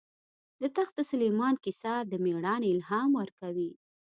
د تخت سلیمان کیسه د مېړانې الهام ورکوي.